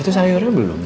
itu sayurnya belum